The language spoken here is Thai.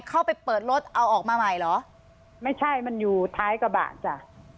เข้าไปเปิดรถเอาออกมาใหม่เหรอไม่ใช่มันอยู่ท้ายกระบะจ้ะ